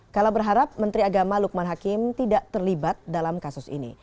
kala berharap menteri agama lukman hakim tidak terlibat dalam kasus ini